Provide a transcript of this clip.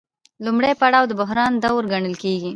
لومړی پړاو د بحران دوره ګڼل کېږي